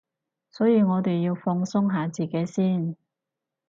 所以我哋要放鬆下自己先